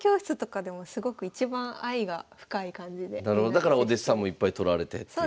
なるほどだからお弟子さんもいっぱいとられてっていう。